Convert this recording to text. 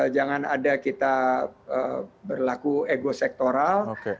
jangan ada kita berlaku ego sektoral